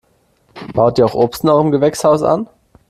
Baut ihr auch Obst in eurem Gewächshaus an?